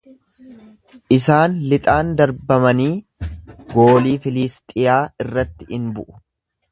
Isaan lixaan darbamanii goolii Filiisxiyaa irratti in bu'u.